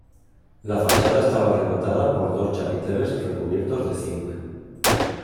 La fachada estaba rematada por dos chapiteles recubiertos de zinc.